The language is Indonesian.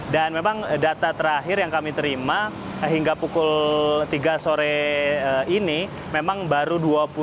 dan memang data terakhir yang kami terima hingga pukul tiga sore ini memang baru dua puluh